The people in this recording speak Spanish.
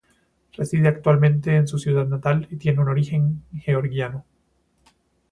Reside actualmente en su ciudad natal y tiene un origen georgiano.